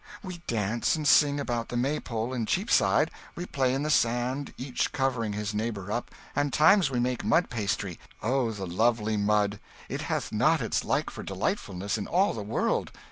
"We dance and sing about the Maypole in Cheapside; we play in the sand, each covering his neighbour up; and times we make mud pastry oh the lovely mud, it hath not its like for delightfulness in all the world!